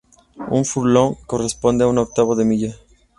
Un furlong corresponde a un octavo de milla.